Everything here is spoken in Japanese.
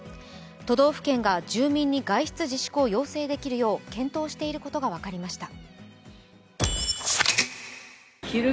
都道府県が住民に外出自粛を要請できるよう検討していることが分かりました。